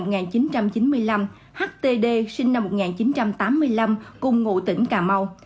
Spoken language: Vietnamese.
năm một nghìn chín trăm chín mươi năm htd sinh năm một nghìn chín trăm tám mươi năm cùng ngụ tỉnh cà mau